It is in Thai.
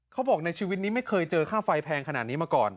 เขาบอกในชีวิตนี้ไม่เคยเจอค่าไฟแพงขนาดนี้มาก่อน